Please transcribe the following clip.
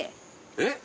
えっ？